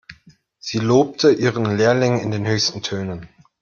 Sie lobte ihren Lehrling in den höchsten Tönen.